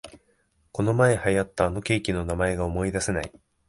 このまえ流行ったあのケーキの名前が思いだせない